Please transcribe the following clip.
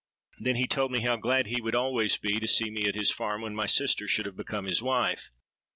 Then he told me how glad he would always be to see me at his farm when my sister should have become his wife.